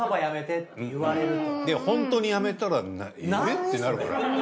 でホントにやめたらえっ？ってなるから。